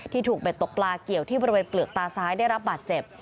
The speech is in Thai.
ถูกเบ็ดตกปลาเกี่ยวที่บริเวณเปลือกตาซ้ายได้รับบาดเจ็บ